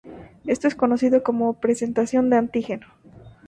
Esto es conocido como presentación de antígeno.